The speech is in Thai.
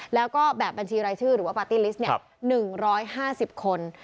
แล้วก็แบบบัญชีรายชื่อหรือว่าปาร์ตี้ลิสต์๑๕๐คน